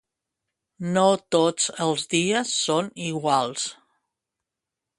No tots els dies són iguals.